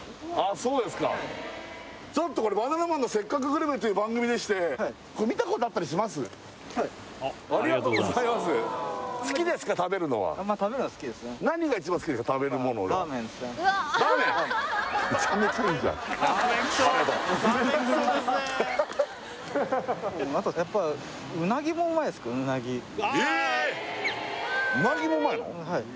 そうですかちょっとこれ「バナナマンのせっかくグルメ！！」という番組でしてラーメンはいえ！